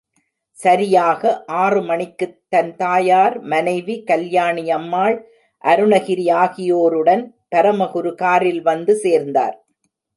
சரியாக ஆறு மணிக்கு தன் தாயார், மனைவி, கல்யாணி அம்மாள், அருணகிரி ஆகியோருடன் பரமகுரு காரில் வந்து சேர்ந்தார்.